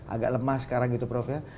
agak lemah sekarang gitu prof ya